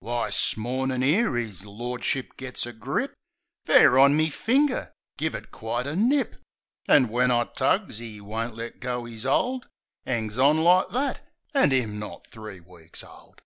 Why! 'smornin', 'ere 'is lordship gits a grip Fair on me finger — give it quite a nip! An' when I tugs, 'e won't let go 'is hold! 'Angs on like that! An' 'im not three weeks old!